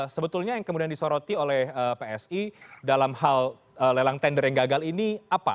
sebetulnya yang kemudian disoroti oleh psi dalam hal lelang tender yang gagal ini apa